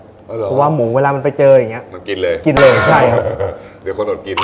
เพราะว่าหมูเวลามันไปเจออย่างเงี้มันกินเลยกินเลยใช่ครับเดี๋ยวคนอดกิน